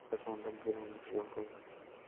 একটা কনডম কিনে অনুশীলন কর।